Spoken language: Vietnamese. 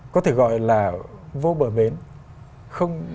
có thể gọi là vô bờ bến